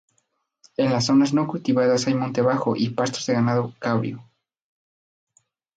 En las zonas no cultivadas hay monte bajo y pastos de ganado cabrío.